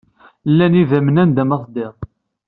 Llan yidammen anda ma teddid.